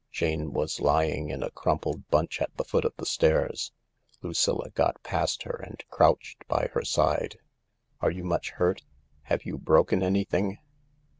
Jane was lying in a crumpled bunch at the foot of the stairs. Lucilla got past her and crouched by her side. "Are you much hurt ? Have you broken anything